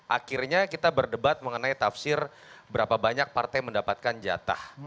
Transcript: akhirnya kita berdebat mengenai tafsir berapa banyak partai mendapatkan jatah